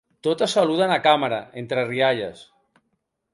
Totes saluden a càmera, entre rialles.